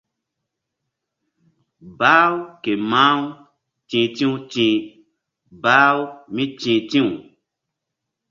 Bah-u ke mah-u ti̧h ti̧w ti̧h bah-u míti̧h ti̧w.